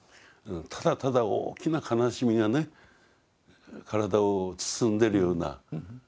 ただただ大きな悲しみがね体を包んでるような感じがしました。